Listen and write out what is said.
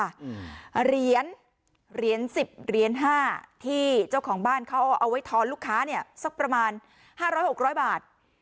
เหรียญเหรียญสิบเหรียญห้าที่เจ้าของบ้านเขาเอาไว้ทอนลูกค้าเนี้ยสักประมาณห้าร้อยหกร้อยบาท